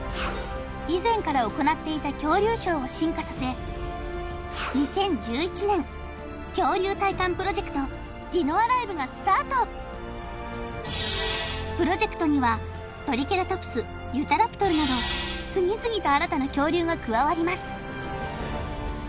以前から行っていた恐竜ショーを進化させ２０１１年恐竜体感プロジェクトディノアライブがスタートプロジェクトにはトリケラトプスユタラプトルなど次々と新たな恐竜が加わります